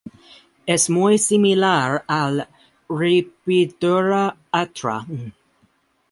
Es muy similar al "Rhipidura atra".